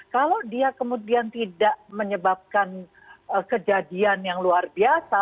kalau dia kemudian tidak menyebabkan kejadian yang luar biasa